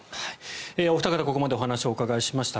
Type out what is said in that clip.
お二方ここまでお話をお伺いしました。